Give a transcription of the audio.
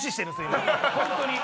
今本当に。